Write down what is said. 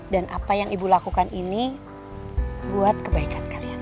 dan apa yang ibu lakukan ini buat kebaikan kalian